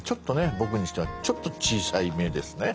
僕にしてはちょっと小さめですね。